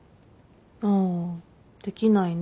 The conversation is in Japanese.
ああできないね